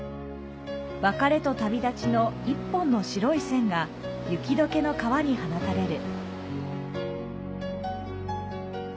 別れと旅立ちの１本の白い線が雪解けの川に放たれる。